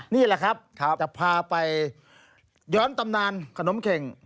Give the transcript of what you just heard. นี่แหละครับจะพาไปย้อนตำนานขนมเข็ง